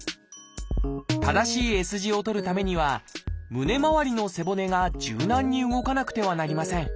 正しいＳ字をとるためには胸まわりの背骨が柔軟に動かなくてはなりません。